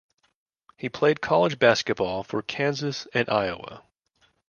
He played college basketball for Kansas and Iowa.